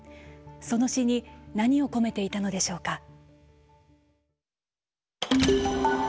その詩に何を込めていたのでしょうか？